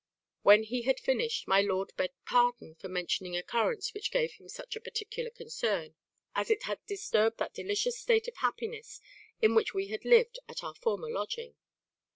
When he had finished, my lord begged pardon for mentioning an occurrence which gave him such a particular concern, as it had disturbed that delicious state of happiness in which we had lived at our former lodging.